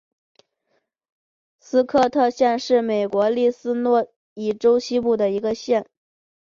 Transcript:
斯科特县是美国伊利诺伊州西部的一个县。